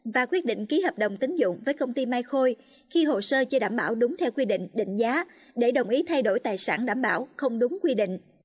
và quyết định ký hợp đồng tính dụng với công ty mai khôi khi hồ sơ chưa đảm bảo đúng theo quy định định giá để đồng ý thay đổi tài sản đảm bảo không đúng quy định